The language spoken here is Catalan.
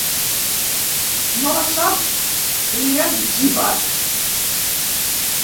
No la sap, li ha etzibat.